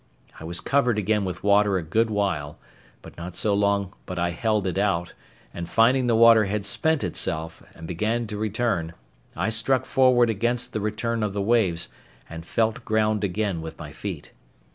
I was covered again with water a good while, but not so long but I held it out; and finding the water had spent itself, and began to return, I struck forward against the return of the waves, and felt ground again with my feet.